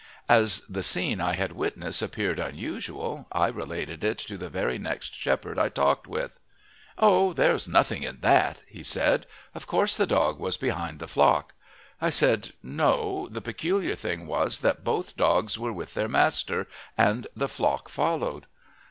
As the scene I had witnessed appeared unusual I related it to the very next shepherd I talked with. "Oh, there was nothing in that," he said. "Of course the dog was behind the flock." I said, "No, the peculiar thing was that both dogs were with their master, and the flock followed."